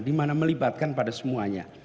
dimana melibatkan pada semuanya